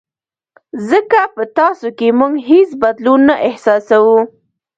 ځکه په تاسو کې موږ هېڅ بدلون نه احساسوو.